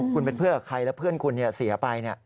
คุณเป็นเพื่อนกับใครแล้วเพื่อนคุณเสียไป